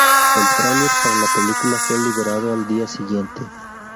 El tráiler para la película fue liberado al día siguiente.